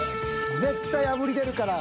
絶対炙り出るから。